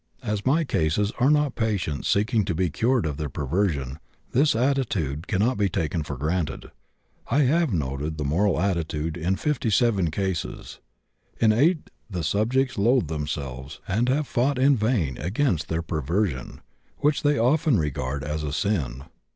As my cases are not patients seeking to be cured of their perversion, this attitude cannot be taken for granted. I have noted the moral attitude in 57 cases. In 8 the subjects loathe themselves, and have fought in vain against their perversion, which they often regard as a sin.